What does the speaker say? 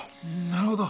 なるほど。